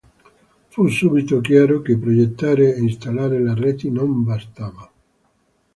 Fu subito chiaro che progettare e installare le reti non bastava.